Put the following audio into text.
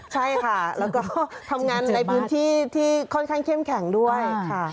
ใช่ค่ะแล้วก็ทำงานในพื้นที่ที่ค่อนข้างเข้มแข็งด้วยค่ะ